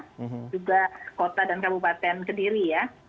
juga kota dan kabupaten kediri ya